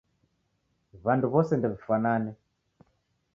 W'andu wose ndew'ifwanane.